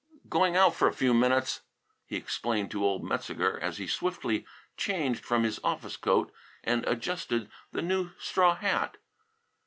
"Going out a few minutes," he explained to old Metzeger as he swiftly changed from his office coat and adjusted the new straw hat.